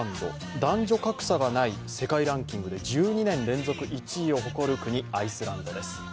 男女格差がない世界ランキングで１２年連続１位を誇る国、アイスランドです。